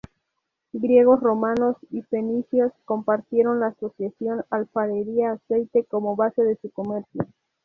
Griegos, romanos y fenicios compartieron la asociación alfarería-aceite como base de su comercio.